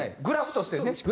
グラフとしてね。